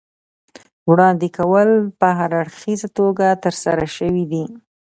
وړاندې کول په هراړخیزه توګه ترسره شوي دي.